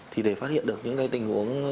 thì để phát hiện được những cái tình huống